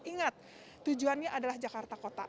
ingat tujuannya adalah jakarta kota